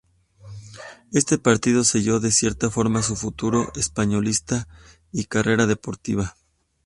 Este partido selló de cierta forma su futuro españolista y carrera deportiva.